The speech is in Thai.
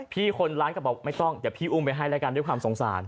พี่คนร้านกระเป๋าไม่ต้องเดี๋ยวพี่อุ้มไปให้รายการด้วยความสงสาร